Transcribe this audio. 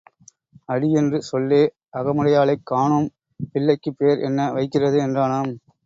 அடி என்று சொல்ல அகமுடையாளைக் காணோம் பிள்ளைக்குப் பேர் என்ன வைக்கிறது என்றானாம்.